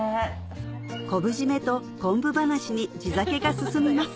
昆布締めと昆布話に地酒が進みます